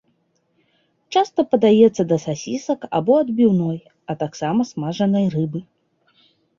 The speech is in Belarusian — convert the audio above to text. Часта падаецца да сасісак або адбіўной, а таксама смажанай рыбы.